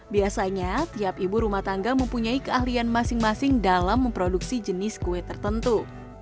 biasanya tiap ibu rumah tangga mempunyai keahlian masing masing dalam memproduksi jenis kue tertentu